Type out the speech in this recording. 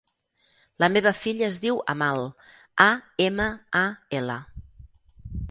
La meva filla es diu Amal: a, ema, a, ela.